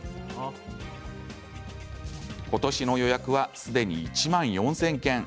今年の予約はすでに１万４０００件。